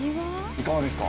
いかがですか？